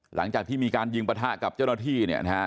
หลังจากที่มีการยิงประทะกับเจ้าหน้าที่เนี่ยนะฮะ